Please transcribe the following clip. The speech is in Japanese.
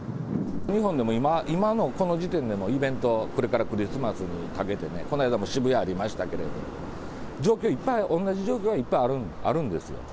日本でも今、今のこの時点でもイベント、これからクリスマスにかけてね、この間も渋谷ありましたけれども、状況、同じ状況がいっぱいあるんですよ。